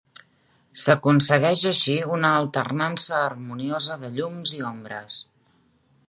S'aconsegueix així una alternança harmoniosa de llums i ombres.